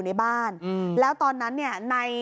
พอหลังจากเกิดเหตุแล้วเจ้าหน้าที่ต้องไปพยายามเกลี้ยกล่อม